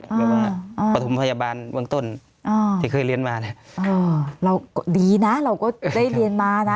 อ๋ออออปธหุมพยาบาลวงต้นอ่าที่เคยเรียนมานะอ๋อเราก็ดีน่ะเราก็ได้เรียนมาน่ะ